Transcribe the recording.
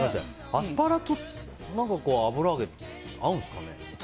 アスパラと油揚げって合うんですかね。